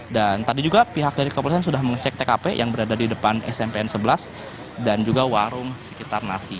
tadi juga pihak dari kepolisian sudah mengecek tkp yang berada di depan smpn sebelas dan juga warung sekitar nasi